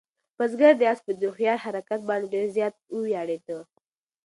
بزګر د آس په دې هوښیار حرکت باندې ډېر زیات وویاړېده.